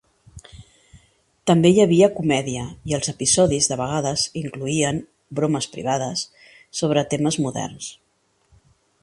També hi havia comèdia i els episodis de vegades incloïen "bromes privades" sobre temes moderns.